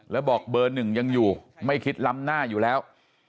แล้วบอกเบอร์หนึ่งยังอยู่ไม่คิดล้ำหน้าอยู่แล้ว